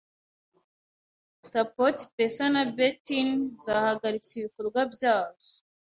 SportsPesa na Betin, zahagaritse ibikorwa byazo